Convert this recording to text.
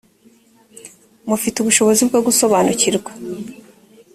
mufite ubushobozi bwo gusobanukirwa